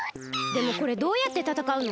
でもこれどうやってたたかうの？